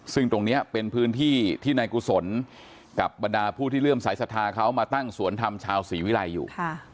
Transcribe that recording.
ซึ่งตรงนี้เป็นพื้นที่ที่นายกุศลกับบรรดาผู้ที่เริ่มสายศรัทธาเขามาตั้งสวนธรรมชาวศรีวิรัยอยู่